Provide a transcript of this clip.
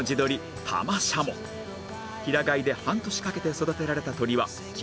平飼いで半年かけて育てられた鶏は筋肉質